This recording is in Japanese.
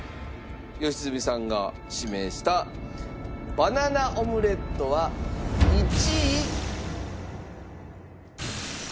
良純さんが指名したバナナオムレットは１位。